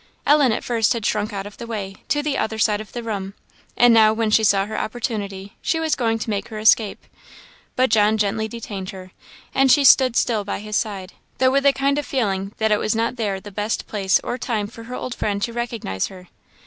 Ellen at first had shrunk out of the way, to the other side of the room, and now, when she saw her opportunity, she was going to make her escape; but John gently detained her; and she stood still by his side, though with a kind of feeling that it was not there the best place or time for her old friend to recognise her.